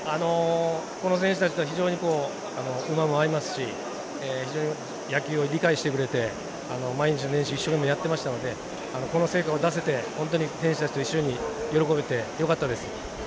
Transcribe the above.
選手たちと非常に馬も合いますし非常に野球を理解してくれて毎日の練習を一生懸命やってましたのでこの成果を出せて本当に選手たちと一緒に喜べてよかったです。